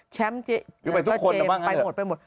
แชมป์เจมส์ไปหมด